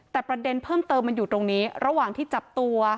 แต่ประเด็นเพิ่มเติมมันอยู่ตรงนี้ระหว่างที่จับตัว